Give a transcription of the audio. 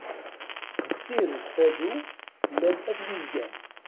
Deffir ukfadu llan at wizgan.